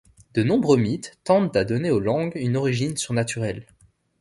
De nombreux mythes tendent à donner aux langues une origine surnaturelle.